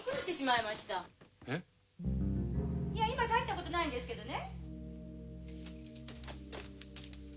いや今大したことないんですけどね。